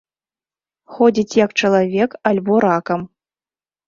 Ходзіць як чалавек альбо ракам.